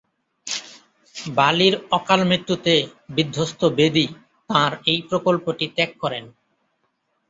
বালির অকাল মৃত্যুতে বিধ্বস্ত বেদী তাঁর এই প্রকল্পটি ত্যাগ করেন।